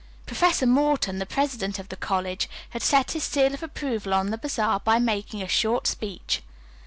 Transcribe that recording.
Professor Morton, the president of the college, had set his seal of approval on the bazaar by making a short speech.